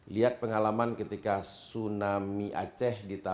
lihat pengalaman ketika sunam ketika matahari ketika perang ketika perang